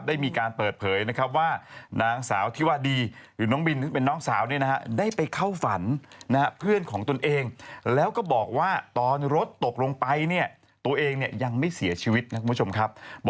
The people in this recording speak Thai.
ได้มีการเปิดเผยนะครับว่านางสาวที่ว่าดีหรือน้องบินเป็นน้องสาวเนี่ยนะฮะ